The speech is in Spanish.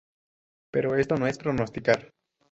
Pero esto no es pronosticar.